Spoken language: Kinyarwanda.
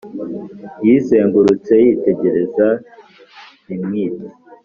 yizengurutse yitegereza dimwit;